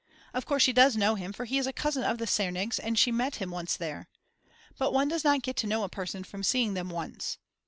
Of course she does know him for he is a cousin of the Sernigs and she met him once there. But one does not get to know a person from seeing them once.